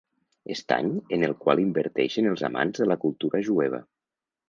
Estany en el qual inverteixen els amants de la cultura jueva.